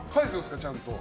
ちゃんと。